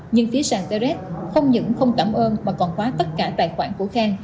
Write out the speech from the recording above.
nhưng phía sàn trs không những không cảm ơn mà còn khóa tất cả tài khoản của khang